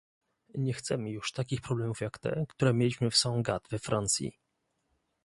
Nie chcemy już takich problemów jak te, które mieliśmy w Sangatte we Francji